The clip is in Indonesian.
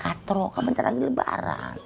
katro ke bentar lagi lebaran